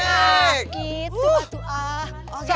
nah gitu aduh aduh oke